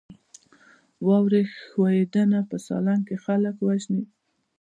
واورې ښویدنه په سالنګ کې خلک وژني؟